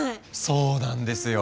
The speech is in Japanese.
そうなんですよ。